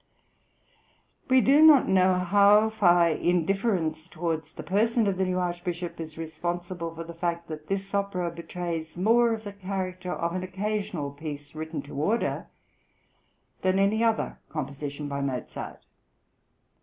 We do not know how far indifference towards the person of the new Archbishop is responsible for the fact that this opera betrays more of the character of an occasional piece written to order than any other composition by Mozart.